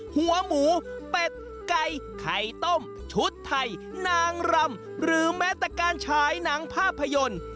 หัวหมูเป็ดไก่ไข่ต้มชุดไทยนางรำหรือแม้แต่การฉายหนังภาพยนตร์